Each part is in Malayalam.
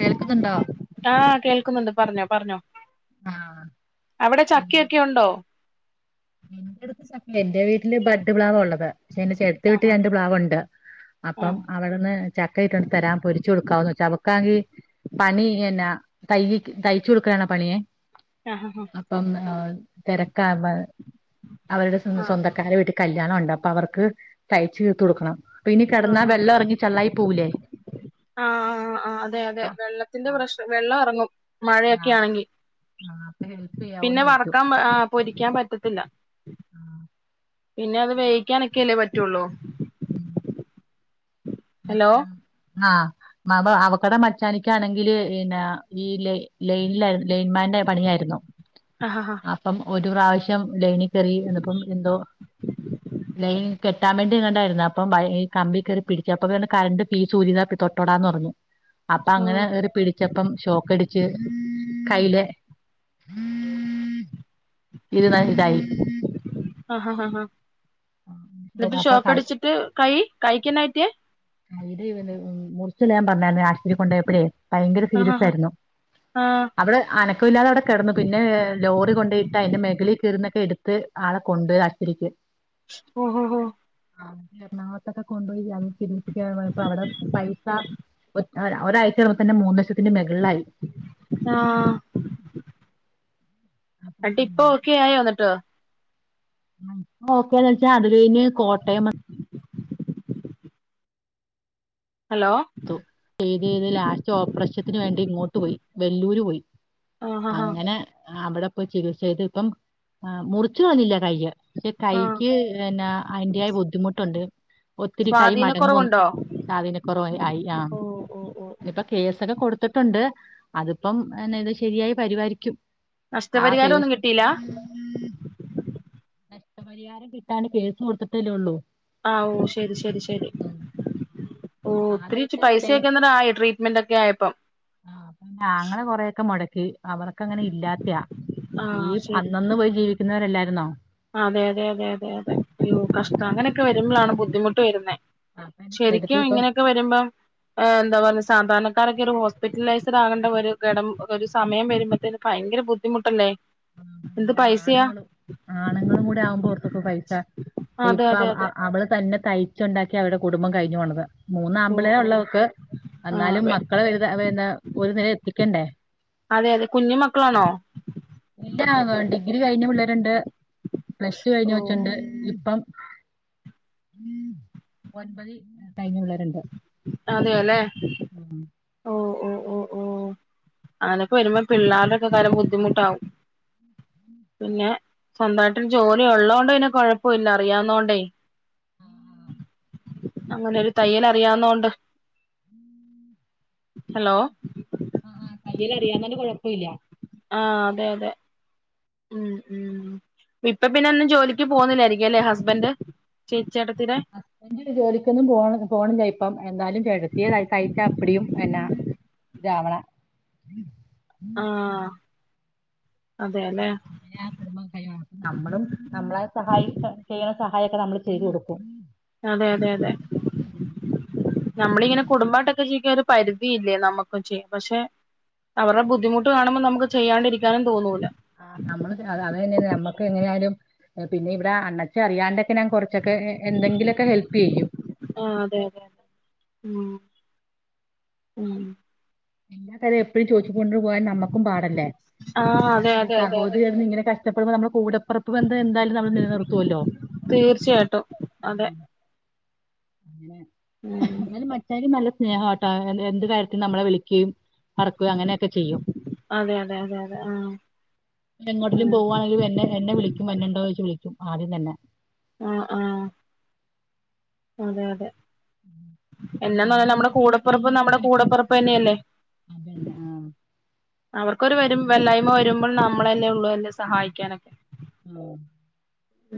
കേൾക്കുന്നുണ്ടോ ആ... കേൾക്കുന്നുണ്ട്. പറഞ്ഞോ, പറഞ്ഞോ ആഹ് അവിടെ ചക്കയൊക്കെയുണ്ടോ? എന്റെയടുത്തുചക്കയില്ല. എന്റെവീട്ടില് ബഡ്ഡ്പ്ലാവായുള്ളത്. പക്ഷേയെന്റെ ചേടത്തി യുടെ വീട്ടിൽ ആഹാ രണ്ട് പ്ലാവുണ്ട്. ആഹ് അപ്പമവിടുന്നുചക്കയി ട്ടോണ്ടു തരാം പൊരിച്ചു കൊടുക്കാവോന്ന്‌ വെച്ചവി ഇവിടാണെങ്കിൽ, പണി ചെയ്യണ്ട തയ്, തയ്ച്ചുകൊടുക്കാനുള്ളപണിയെ ആഹ് ആഹ് അപ്പം ആ.. തിരക്കാപ്പം അവരുടെ ആഹ് സ്വന്തക്കാരുടെവീട്ടിൽ കല്യാണമുണ്ടപ്പൊ അവർക്കുതയ്ച്ചു തീർത്തുകൊടുക്കണം. അപ്പമിനികിടന്നാ, വെളളമിറങ്ങി ചള്ളയായിപ്പോ കൂലേ [unintelligible] ആ.. ആ.. ആ.. അതെ യതെ വെള്ളത്തിന്റെ പ്രശ്നം. വെള്ളമിറങ്ങും ആഹ് മഴയൊക്കെയാണെങ്കിൽ ആഹ് അപ്പൊ ഹെൽപ് പിന്നെ ചെയ്യാവോന്ന് ചോദിച്ചു വറക്കാൻ, ആ... പൊരിക്കാൻ പറ്റത്തില്ല ആ പിന്നെയത് വേവിക്കാനൊക്കെയല്ലേ പറ്റുള്ളൂ ഉം.. ഹലോ അ ആ.. അവക്കടെ മച്ചാനിക്കാണെങ്കില് പിന്നെ ഈയിടെ ലൈനിലായിരുന്നു. ലൈൻമാന്റെ ആഹ് ആഹ് പണിയായിരുന്നപ്പം ഒരു പ്രാവശ്യം. ലൈനിൽ കയറിയെന്നപ്പമെന്തോ ലൈൻകെട്ടാൻ വേണ്ടി ഇടണ്ടായിരുന്നു, അപ്പം ഈ.. കമ്പിയിൽ കയറി പിടിച്ചു. എപ്പകണ്ട് കറന്റ് ഫീസൂരിയതാ തൊട്ടോടാന്നുപറഞ്ഞു അപ്പൊയങ്ങനെ കേറിപിടിച്ചപ്പം ഷോക്കടിച്ച് കയ്യില് ഇരുന്നയിതായി എന്നിട്ട്ഷോക്കടിച്ചിട്ട്, കൈ, കൈക്കെന്നാ പറ്റിയേ മുറിച്ചിടാൻ പറഞ്ഞായിരുന്നു, ആശുപത്രിയിൽ കൊണ്ടപോയപ്പോഴേ ഭയങ്കര ആഹ് ആഹ് സീരിയസായിരുന്നു. ആഹ് അവിടെയനക്കമില്ലാതെ അവിടെ കിടന്നു. പിന്നെ ലോറികൊണ്ടയിട്ടതിന്റെ മെകളി ചെന്നിട്ടെടുത്ത് ആളെ കൊണ്ടുപോയി ആശുപത്രിയില് ഓ.. ഹോ.. ഹോ ആ.. എറണാകുളത്തൊക്കെ കൊണ്ടപോയി, ഐ. സി. യുവിൽ എവി... അവിടെ, പൈസ ഒരാഴ്ചയായപ്പോ തന്നെ മൂന്നുലക്ഷത്തി.. പിന്നെ ബഹളായി ആഹ് എന്നിട്ടിപ്പോ ഓക്കെയായോ എന്നിട്ട്. ഓക്കേന്നുവെച്ചാലതുകഴിഞ്ഞ്, കോട്ടയംമെ ഹലോ തൊട്ടിലിലാ, ലാസ്റ്റ്ഓപ്പറേഷത്തിനു വേണ്ടിയിങ്ങോട്ടുപോയി. വെല്ലൂര് പോയി. ആഹ് ആഹ് അങ്ങനെ അവിടെ പോയി ചികിത്സ ചെയ്ത് ഇപ്പം മുറിച്ചു തന്നില്ലേ കൈ പക്ഷെ ആഹ് കൈക് എന്ന അതിന്റെതായ ബുദ്ധിമുട്ടൊണ്ട് ഒത്തിരി കൈ മടങ്ങും സ്വാധീനക്കുറവുണ്ടോ സ്വാധീനക്കുറവ് ആയി ആഹ് ഓഹ് ഓഹ് ഓഹ് ഇനിപ്പ കേസൊക്കെ കൊടുത്ത് ത്തിട്ടുണ്ട് അതിപ്പം ഇതിനി ശരിയായി വരുവാരിക്കും നഷ്ടപരിഹാരം ഒന്നും കിട്ടില്ല നഷ്ടപരിഹാരം കിട്ടൻ കേസ് കൊടുത്തിട്ടല്ലേയുള്ളൂ ആഹ് ഓ ശരി ശരി ശരി ഓ ഒത്തിരി ആദ്യൊക്കെ അല്ലേ പൈസയൊക്കെ ആയോ അന്നേരം ട്രീറ്റ്മെന്റോക്കെ ആയപ്പം ആഹ് പിന്നെ ആങ്ങള കൊറെയൊക്കെ മുടക്കി അവർക് അങ്ങനെ ഇല്ലാത്തയാ ഈ ആഹ് ശരി അന്നെന്നു പോയി ജീവിക്കുന്നവരല്ലായിരുന്നോ അതെ അതെ അതെ അതെ അതെ അയ്യോ കഷ്ടം അപ്പൊ അങ്ങനെയൊക്കെ വരുമ്പോഴാണ് ബുദ്ധിമുട്ട് വരുന്നെ അപ്പൊ എടുത്ത് ശരിക്കും ഇപ്പം ഇങ്ങനെയൊക്കെ വരുമ്പോ എന്താ പറ സാധാരണക്കാരൊക്കെ ഒരു ഹോസ്പിറ്റലൈസ്ഡ് ആകേണ്ട ഒരുഘടം ഒരു സമയം വരുമ്പോഴത്തേന് ഭയങ്കര ബുദ്ധിമുട്ടല്ലേ എന്ത് [inaudible] പൈസയാ ആണുങ്ങളും ആഹ് ആണുങ്ങൾ കൂടെ ആവുബോ ഓർക്കൊക്കെ പൈസ അതെ ഇപ്പോ അതെ അതെ പാ അവൾ തന്നെ തയ്യ്ചച്ചു ഉണ്ടാക്കി അവരുടെ കുടുംബം കഴിഞ്ഞു പോണത് ഓ മുന്നാമ്പിള്ളേരെ ഓ ഉള്ളു അവക്ക് ആഹ് എന്നാലും അതെ മക്കളെ വലുത് വ ന്താ ഒരു നിലെ എത്തിക്കണ്ടേ അത് കുഞ്ഞു മക്കളാണോ ഇല്ല ഡിഗ്രി കഴിഞ്ഞ് പിള്ളേരുണ്ട് പ്ലസ് ടു ഓ കഴിഞ്ഞാ കൊച്ചുണ്ട് ഇപ്പം ഒൻമ്പതി കഴിഞ്ഞാ പിള്ളേർ ഉണ്ട്‌ അതെയല്ലേ ഓ ഓ ഓ ഓ അങ്ങനൊക്കെ വരുമ്പോ പിള്ളേരുടെക്ക കാര്യം ബുദ്ധിമുട്ടാവും പിന്നെ സ്വന്തമായിട്ട് ജോലി ഉള്ളതോണ്ടെ പിന്നെ കൊഴപ്പയില്ല അറിയാവൂന്നോണ്ടെ അങ്ങനെ ഒരു തയ്യൽ അറിയാവുന്നൊണ്ട് ഹലോ ആ ആ തയ്യൽ അറിയാവുന്നോണ്ട് കുഴപ്പമില്ല ആഹ് അതെ അതെ മ് മ് ഇപ്പ പിന്നെ എന്നും ജോലിക്ക് പോകുന്നില്ലായിരിക്കും അല്ലെ ഹസ്ബൻഡ് ചേച്ചിയേട്ടത്തീടെ ഹസ്ബാൻഡ് ജോലികൊന്നും പോ പോണില്ല ഇപ്പോ ന്തായാലും കിടത്തിതാ കയ്യ്ക്കു അപ്പിടിയും എന്നാ ഇതാവണം ആഹ് അതെല്ലെ അങ്ങന കുടുംബം നമ്മളും നമ്മളെ സഹായി ചെയ്യൻ സഹായോക്കെ നമ്മള് ചെയ്തു കൊടുക്കും അതെ അതെ അതെ നമ്മളിങ്ങാനെ കുടുംബ ആയിടട്ടോക്കെ ജീവിക്ക ഒരു പരിധിയില്ലേ നമ്മുക്കും ചെയ്യും പക്ഷെ അവരുടെ ബുദ്ധിമുട്ട് കാണുമ്പോൾ നമുക്ക് ചെയ്യാണ്ടിരിക്കാനും തോന്നൂല്ലാ ആഹ് നമ്മള് ആഹ് തന്നെ നമ്മുക്ക് എങ്ങനെയാലും പിന്നെ ഇവിടെ അണ്ണച്ചറിയാണ്ട് ഞാൻ കുറച്ചൊക്കെ എന്തെങ്കിലോക്കെ ഹെൽപ് ചെയ്യും മ് മ് എല്ലാകാര്യം എപ്പോഴും ചോദിച്ചു കൊണ്ടു പോകൻ നമ്മക്കും പാടല്ലേ ആഹ് അതെ ഈ അതെ അതെ അതെ സഹോദരി കിടന്ന് ഇങ്ങനെ കഷ ഷ്ടാപെടുമ്പോ നമ്മള് കൂടെ പിറപ്പ് ബന്ധം എന്തായാലും നമ്മൾ നിലനിറുത്തുവല്ലോ തീർച്ചയായിട്ടും അതെ അങ്ങനെ ഉം എന്നാലും മച്ചാനും നല്ല സ്നേഹട്ടോ എന്ത് കാര്യത്തിനും നമ്മളെ വിളിക്കുകയും പിറകുവേം അങ്ങനെയൊക്കെ ചെയ്യും അതെ അതെ അതെ അതെ ആഹ് ഉം എങ്ങോട്ടിലും പോകുവാണെങ്കിലും എന്നെ എന്നെ വിളിക്കും വന്നോണ്ടോന്ന് ചോദിച്ചു വിളിക്കും ആദ്യം തന്നെ ആഹ് ആഹ് അതെ അതെ എന്നാന്ന് നമ്മൾ പറഞ്ഞ നമ്മുടെ ഇങ്ങോട്ട് കാണിക്കും കൂടെപ്പിറപ്പ് അങ്ങോട്ടും നമ്മുടെ കാണിക്കും കൂടെപ്പിറപ്പ് തന്നെയല്ലേ അതന്നെ ആ അവർക് വരും വല്ലായ്മ വരുമ്പോൾ നമ്മളല്ലേ ഉള്ളൂ അല്ലെ സഹായിക്കാനൊക്കെ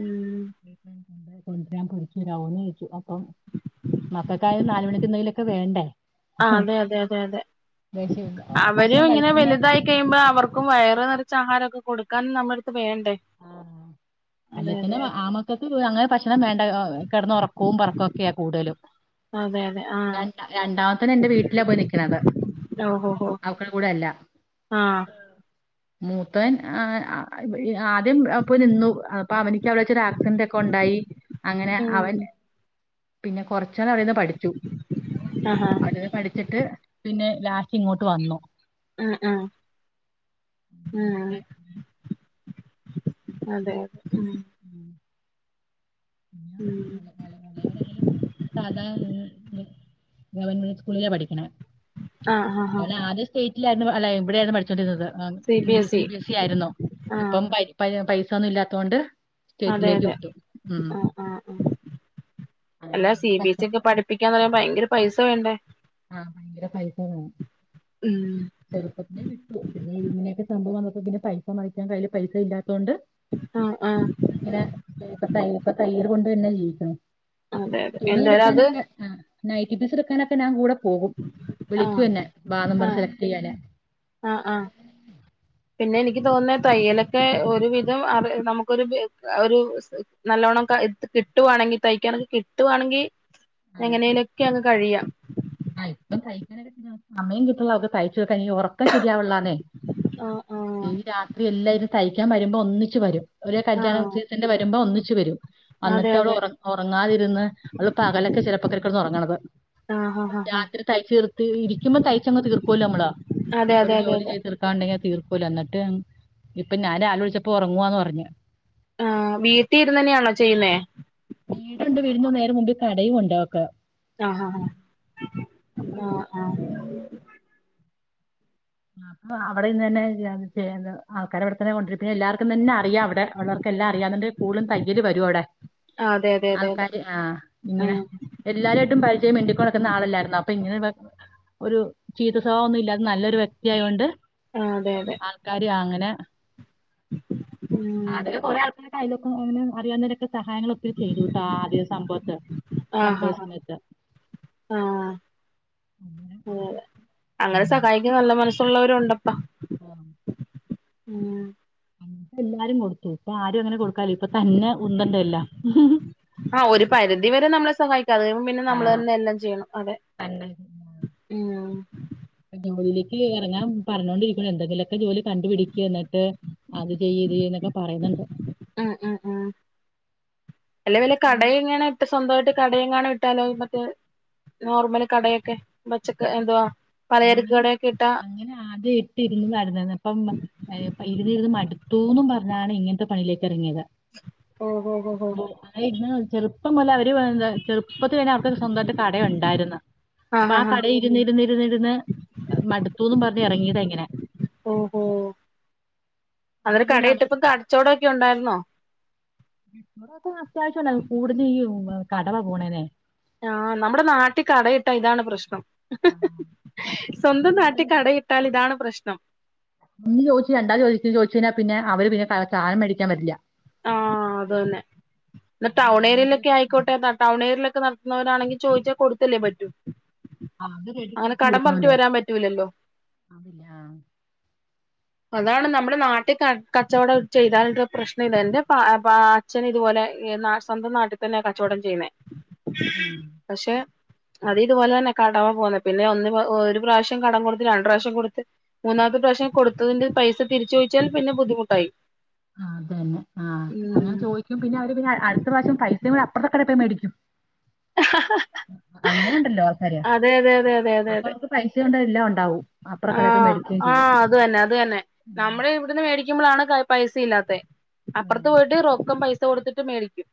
ഉം കൊണ്ടുവരാൻ പോയിച് വരാവോന് ചോദിച്ചു അപ്പം മക്കൾക്ക് ആയാലും നാല് മണിക്ക്ന്തെങ്കിലൊക്കെ വേണ്ടേ ആഹ് അതെ അതെ അതെ അതെ വിശ അവരും ഭക്ഷണം ഇങ്ങനെ കഴിക്കുന്ന വലുതായി കഴിയുമ്പോ അവർക്കും വയറെ നിറച്ച ആഹാരൊക്കെ കൊടു ക്കാൻ നമ്മടുത്ത് വേണ്ട ആഹ് അല്ലേത്തനെ ആമക്കൾക്ക് അങ്ങനെ ഭക്ഷണം വേണ്ട കിടന്ന് ഉറക്കവും പറക്കവുംക്കെയാ കൂടുതലും അതെ അതെ ആഹ് ര രണ്ടാമത്തെന്ന് എന്റെ വീട്ടിലാ പോയി നിക്കണത് ഓ ഓ ഓ അവക്കടെ ആഹ് മൂത്തൻ ആഹ് ആദ്യം അപ്പൊ നിന്നു അപ്പൊ അവനക്ക് അവിടെവച്ച് ആക്സിഡന്റ് ഒക്കെ ഉണ്ടായി അങ്ങനെ അവൻ [inaudible] പിന്നെ കൊറച്ച് നാൾ അവിടെന്ന് പഠിച്ചു ആഹാ അവിടെന്ന് പഠിച്ചിട്ട് പിന്നെ ലാസ്റ്റ് ഇങ്ങോട്ട് വന്നു ഉം ഉം ഉം പിന്നെ അതെ അതെ ഉം ഉം ഇളയവനായാലും സാധ ഗവൺമെന്റ് സ്കൂളിലാ പഠിക്കണ ആ ആ ഹ ഇല്ലായിരുന്നു അല്ല ഇവിടെയായിരുന്നു പഠിചച്ചോണ്ടിരുന്നത് English C B S E ആയിരുന്നു ആഹ് ഇപ്പം പ പ ഠിത്തോന്നും ഇല്ലാത്തൊണ്ട് അതെ അതെ ആഹ് ആഹ് അല്ലാ സി അങ്ങനെ ബി എസ് ക്ക് പഠിപ്പിക്കാന്ന് പറയുമ്പ ഭയങ്കര പൈസ വേണ്ടേ ആ ഭയങ്കര പൈസ വേണം ചെറുപ്പത്തിനെ കിട്ടു പിന്നെ ചെറുപ്പത്തിലേ വിട്ടു പിന്നെ ഇങ്ങനെയൊക്കെ സംഭവം വന്നപ്പോ പിന്നെ പൈസ മറിക്കാൻ കൈയിൽ പൈസ ഇല്ലാ ത്തോണ്ട് ആഹ് ആഹ് ഇങ്ങനെ ഇപ്പ ഇപ്പം തയ്യൽ കൊണ്ട് പിന്നെ ജീവിക്കുന്നു അതെ അതെ തുണി എന്തായാലും അത് എടുക്കാനൊക്കെ ആ നൈറ്റ് പീസ് എടുക്കാനൊക്കെ ഞാൻ കൂടെ പോകും ആഹ് വിളിക്കൂന്നൊ ബാ വന്ന് ആഹ് സെലക്ട് ചെയ്യാനെ ആഹ് ആഹ് പിന്നെ എനിക്ക് തോന്നുന്ന തയ്യലൊക്കെ ഒരുവിധം അറി നമുക്കൊരു ഒരു നല്ലോണക്കേ കിട്ടുവാണെങ്കിൽ തയ്ക്കാനൊക്കെ കിട്ടുവാണെങ്കിൽ എങ്ങനെലുക്കെ അങ്ങ് കഴിയാം ആ ഇപ്പം തയിക്കാൻ സമ്മയം കിട്ടൂല്ല അവക്ക് തയി ഉറക്കം ശരിയാവുല്ലാനെ ആഹ് ആഹ് ഈ രാത്രി എല്ലാരും തയ്ക്കാൻ വരുമ്പോ ഒന്നിച്ച് വരും ഒരേ കല്യാണ ആഹ് സീസന്റെ വരുമ്പോ ഒന്നിച്ച് വരും അതെ വന്നിട്ട് അവള് അതെ ഉറ ഉറങ്ങാതിരുന്ന് അവള് പകലൊക്കെ ചെലപ്പൊക്കൊ ഉറങ്ങണത് ആഹ് ആഹ് ആഹ് ആഹ് രാത്രി തയ്ച്ച് തീർത്ത് ഇരിക്കുമ്പോ തയ്ച്ചങ്ങ് തീർക്കൂല്ലോ നമ്മള് അതെ അതെ ഒരു അതെ ജോലി അതെ ചെയ്ത് തീർക്കാണ്ടെങ്കിൽ തീർക്കൂല എന്നി ട്ട് ഇപ്പൊ ഞാൻ രാവിലെ വിളിച്ചപ്പോ ഉറങ്ങുവാന്ന് പറഞ്ഞ് ആ വീട്ടിൽ ഇരുന്ന് തന്നെയാണോ ചെയ്യുന്നേ വീടുണ്ട് വരുന്ന നേര മുമ്പ്ൽ കടയും ഉണ്ട് അവക്ക് ആ ഹ ആ അപ്പം ആ ആ ആ അപ്പൊ അവിടെ ഇന്ന് തന്നെ ചെയ്യ ആൾക്കാര് അവിടെ തന്നെ കൊണ്ടരും പിന്നെ എല്ലാവർക്കും തന്നെ അറിയാം അവിടെ ഉള്ളവർക്കെല്ലാം അറിയന്നണ്ട് കൂടുതലും തയ്യല് വരും അവിടെ ആഹ് അതെ അതെ അതെ അതെ ആൾക്കാര് ആഹ് ഇങ്ങനെ ആഹ് എല്ലാരായിട്ടും പരിജ മിണ്ടിക്കൊണ ആള് അല്ലാരുന്നോ അപ്പോ ഇങ്ങനെ ഒരു ചീത്ത സ്വഭാവം ഒന്നും ഇല്ലാതെ നല്ലൊരു വ്യക്തിയായൊണ്ട് ആഹ് അതെ അതെ ആൾക്കാര് അങ്ങനെ ഉം അതില് കൊറെ ആൾക്കാർ സഹായള് ഒത്തിരി ചെയ്തുട്ടാ ആദ്യ സംഭവത്ത് ആഹ് സംഭവ ആഹ് സമയത്ത് ആഹ് അങ്ങനെ അങ്ങനെസകായിക്ക നല്ല മനസ്സുള്ളവരുണ്ട് ആഹ് ഉം എല്ലാരും കൊടുത്തു ഇപ്പ ആരു അങ്ങനെ കൊടുക്കാല്യ ഇപ്പൊ തന്നെ ഉന്തണ്ടെഎല്ലാം ആഹ് ഒരു പരിധി വരെ നമ്മളെ സഹായി ചത്കഴിയുമ്പം പിന്നെ ആ നമ്മള്ന്നെ എല്ലാചെയ്യണം അതെ തന്നെ ഉം ഇ എറങ്ങ പറഞ്ഞോണ്ടിരിക്ക്ണ് എന്തെങ്കിലുക്കെ ജോലി കണ്ടുപിടിക്കന്നിട്ട് അത്ചെയ്യ് ഇത്ചെയ്യ്ന്നൊക്കെ പറയന്ന്ണ്ട് അഹ് അഹ് ആഹ് അല്ല വല്യകട പിന്നെ ഇങ്ങനെട്ട് സ്വന്തയിട്ട് കടയെങ്ങണ ഇട്ടാലോ മറ്റേ നോർമല് കടയൊക്കെ പച്ചക്ക് എന്ത്വാ അങ്ങനെ അങ്ങനെ ആദ്യം ഇട്ട് ഇരുന്ന്നടന്നിര്ന്ന് ഇപ്പം ഇര്ന്ന് രുന്ന് മട് തൂന്നും പറഞ്ഞാണ് ഇങ്ങനത്തെ പണിലേക്ക്എറങ്ങിയത് ഓഹോ ഹോ ഹോ അങ്ങനെ ഇര് ന്ന് ചെറുപ്പം മുലെ അവര് എന്താ ചെറുപ്പത്തിലെന്നെ അവര്ക്ക് സ്വന്തയിട്ട് കടയുണ്ടായിര്ന്ന് അപ്പൊ ഹാ ആഹ് ഹാ കട ഇരുന്ന് ഇരുന്ന് ഇരുന്നിരുന്ന് മടുത്തുന്നും പറഞ്ഞ് ഇറങ്ങിയതങ്ങനെ ഓഹോ അന്നേരം അതുകൊണ്ട് പിന്നെ കടയിട്ടപ്പം അവർക്ക് കടച്ചോടൊക്കെ ഉണ്ടായിരുന്നോ വ്ടോക്കും അത്യാവശ്യാനൽ കൂട്ചെയ്യും ഈ കടവാ പോണേല്ലെ ആഹ് നമ്മുടെ നാട്ടികടയിട്ടാ ഇതാണ് പ്രശ്നം. സ്വന്തം നാട്ടീ കൂടുതലും കട- കടയിട്ടാൽ ഇതാണ് പ്രശ്നം. ഒന്ന് ചോദിച്ച് രണ്ടാത് ചോദിച്ച ചോദിച്ചേയ്നാ പിന്നെ അവര് പിന്നെ സധനം മേടിക്കാൻ വരില്ല. ആഹ് അതു തന്നെ ന്ന അങ്ങനെ ടൗൺ ഏരിയ അങ്ങനത്തെ ലൊക്കെ ആയിക്കോട്ടെ ടൗണേരിയലൊക്കെ നട ന്നോരാണെങ്കി ചോയ്ച്ചാ കൊടുത്തല്ലേ പറ്റു ആ, അത് റെഡി അങ്ങനെ കാശ് കടം പറഞ്ഞിട്ടു കൊടുക്കണമല്ലോ. വെരാൻ പറ്റൂലല്ലോ അതില്ല ആ, അതാണ് നമ്മുടെ നാട്ടിൽ ക കച്ചോടം ചെയ്താലുള്ള പ്രശ് ന്നിന്റെ എന്റെ പ അ പ അച്ഛനിതുപോലെ എന്നാ സ്വന്തം നാട്ടിൽ തന്നെ കച്ചോടം ചെയ്യുന്നേ ഉം. പക്ഷേ അത് ഇതുപോലെതന്നെ കടവൊക്കെ വന്ന് പിന്നെ ഒന്ന് ഒരു പ്രാവ്യം കടം കൊടുത്ത് രണ്ട പ്രാവ്യം കൊടുത്ത് മൂന്നാമത്തെ പ്ര പക്ഷേ കൊടുത്തതിന്റെ പൈസ തിരിച്ചൊയ്ച്ചാൽ പിന്നെ ബുദ്ധിമുട്ടായി. ആഹ് അതെന്നെ ആഹ് അങ്ങനെ ഉം ചോയ്ക്കും പിന്നെ അവര് പിന്നെ അടുത്ത പ്രാവശ്യം പൈസയും കൊണ്ടപ്പറത്തെ കടേ പോയ് മേടിക്കും. അങ്ങനേയുണ്ടല്ലോ ആൾക്കാര് അതെ അതെ അതെ അപ്പൊ അവർക്ക് പൈസ ഉണ്ട എല്ലാം ഉണ്ടാവും അപ്പറ ആഹ കടയിൽ പോയി മേടിക്കുകയും ചെയ്യാം ആഹ് അത് തന്നെ അത് തന്നെ ഉം നമ്മള് ഇവിടുന്ന് മേടിക്കുമ്പോഴാണ് പൈസയില്ലാത്ത അപ്പുറത്ത് ഉം. പോയിട്ട് റൊക്കം പൈസ കൊടുത്തിട്ട് മേടിക്കും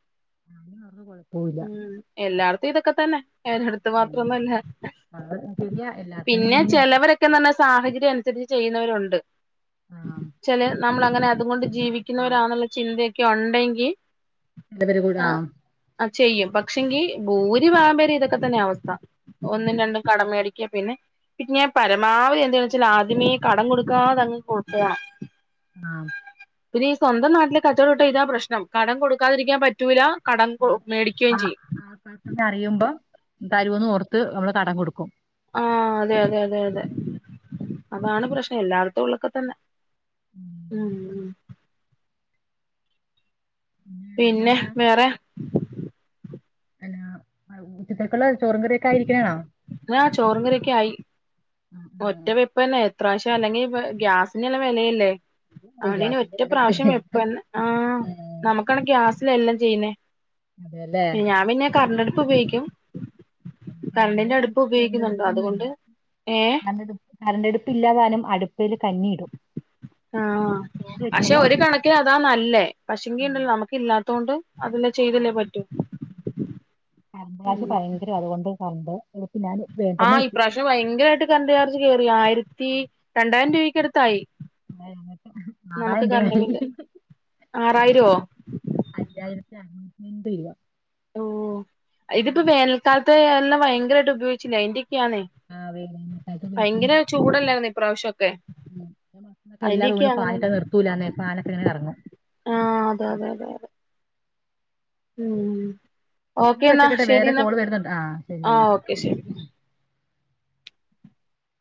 അതിന് അവർക്ക് കുഴപ്പമില്ല ഉം എല്ലാട്ത്തും ഇതൊക്കെ തന്നെ അവടെ അടുത്ത് ഉം. മാത്രൊന്നുമല്ല അത് ശരിയാ എല്ലാത്തിനും പിന്നെ ഇതന്നെയാ ചിലവരെ സാഹചര്യം അനുസരിച്ച് ചെയ്യുന്നവരുണ്ട് ആഹ് ചെല നമ്മൾ അങ്ങനെ അതൊണ്ട് ആഹ് ജീവിക്കുന്നവരാെന്നുള്ള ചിന്തയൊക്കെ ഉണ്ടെങ്കിൽ എ പരി കൂട ആ ചെയ്യും പക്ഷെങ്കി ഭൂരി ഭാഗം പേരും ഇതൊക്കെ തന്നെ അവസ്ഥ ഒന്നും രണ്ടും കടമ മേടി പിന്നെ പി പരമാവധി എന്താണ വെച്ചാൽ ആദ്യമേ കടം കൊടുക്കാതങ്ങ് പോണം ആ പിന്നെ ഈ സ്വന്തം നാട്ടില് കച്ചവട ഇട്ട ഇതാ പ്രശ്ന കടം കൊടുക്കാതിരിക്കാൻ പറ്റൂല കടം മേടിക്കുകയും ആ ചെയ്യും അറിയുമ്പോ തരുവന്ന് ഓർത്ത് നമ്മള് കടം കൊടുക്കും ആ അതെ അതെ അതെ അതെ അതാണ് പ്രശ്നം എല്ലാടത്തും ഉള്ളൊക്കെ തന്നെ ഉം ഉം പിന്നെ വേറെ പി ഉച്ചത്തെക്കെുള്ള ചോറും കറിയൊക്കെ ആയിരിക്കണേണ ആ ചോറും കറിയൊക്കെ ആയി ഒറ്റ വെപ്പ തന്നെ എത്രാവശ്യം അല്ലെങ്കി ഗ്യാസിന്റെല്ല വിലയില്ലേ ഓ അവിടെനെ ഗ്യാസിന്റെ ഒറ്റ വില പ്രാവശ്യം പേ- വെപ്പ് ആ നമുക്ക ഗ്യാസ് എല്ലാം ചെയ്യുന്നേ അതെല്ലേ ഞാൻ പിന്നെ കറണ്ടടുപ്പ് ഉപയോഗിക്കും മ് കരണ്ട് കറണ്ടിന്റെ കണ് അടുപ്പ് ഉപയോഗിക്കുന്നുണ്ട് അതുകൊണ്ട് കര്ണ്ടടുപ്പൊന്നുല്ലാ ഏ കര്ണ്ടടു കരണ്ടടുപ്പില്ല്യാ കാര്നം [unintelligible] ആ ആ ചോറ് പക്ഷെ വെക്കണത് ഒരു കണക്ക്‌ അതാ നല്ലേ ഉം പക്ഷെങ്കിണ്ടല്ലോലമ്ക്കില്ലാത്തൊണ്ട് അതല്ലെ ആ ചെയ്തല്ലേ പറ്റൂ കറണ്ട് മ് കാശ് മ് മം ഭയങ്കര അതുകൊണ്ട് കറണ്ട് എടുത്ത് ഞാൻ ആ വേണ്ടെന്ന് വെച്ചു ഇപ്രാവശ്യം വയങ്കരമായിട്ട് കര്ണ്ട് ചാർജ് കേറിയ ആയിരത്തി രണ്ടായിരം രൂപക്കടുത്തായി [unintelligible] ആറായിരം രൂപ ആയി ബില്ല് [unintelligible] ആറായിരോ അയ്യായ്രത്തി അർനൂറ്റയ്മ്പ് ഇരുവ് ഓ ഇതിപ്പോ വേനൽക്കാലത്തെ എല്ലം വയങ്കരായിട്ടുപയോഗിച്ചില്ലെ അയ്ന്റെ [unintelligible] യാണ് ആ വേനൽക്കാലത്ത് ഭയങ്കര ഉപയോഗിച്ചതിന്റെ ചൂടല്ലേയ്ര്ന്ന ഇപ്രാവശ്യം [inaudible] എല്ലാ റൂമിലും ഫാനിട്ട അങ്ങനെയാണ് നിർത്തൂല ന്ന് ഫാനൊക്കെങ്ങനെ കറങ്ങും ആ അതെ അതെ അതെ അതെ മ് എന്നാ ഓക്കേന്നാ വെച്ചേക്കട്ടെ വേറെ ശരിന്നാ കോള് വരുന്നുണ്ട് ആ ശരി ആ എന്നാ ഓക്കെ ശരി